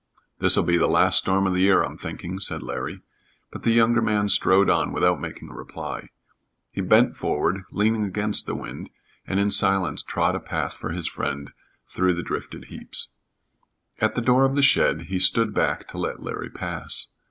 "This'll be the last storm of the year, I'm thinking," said Larry. But the younger man strode on without making a reply. He bent forward, leaning against the wind, and in silence trod a path for his friend through the drifted heaps. At the door of the shed he stood back to let Larry pass.